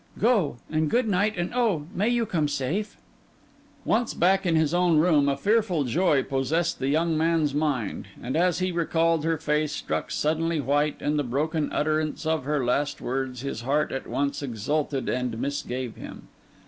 Go; and good night; and oh, may you come safe!' Once back in his own room a fearful joy possessed the young man's mind; and as he recalled her face struck suddenly white and the broken utterance of her last words, his heart at once exulted and misgave him.